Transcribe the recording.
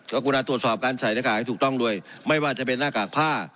กรุณาตรวจสอบการใส่หน้ากากให้ถูกต้องด้วยไม่ว่าจะเป็นหน้ากากผ้า